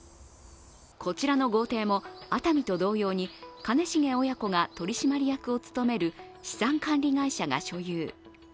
こちらの豪邸も熱海と同様に兼重親子が取締役を務める資産管理会社が所有。